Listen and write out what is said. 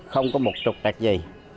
không có một trục đặt gì